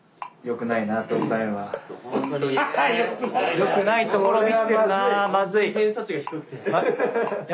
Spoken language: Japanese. よくないところ見してるなまずい。